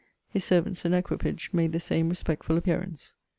His servants and equipage made the same respectful appearance.